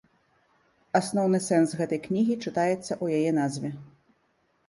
Асноўны сэнс гэтай кнігі чытаецца ў яе назве.